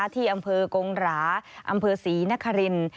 ที่อำเภอกงหราอำเภอศรีนคริน